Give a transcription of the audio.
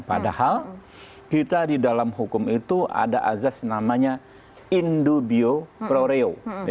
padahal kita di dalam hukum itu ada azas namanya indubio proreo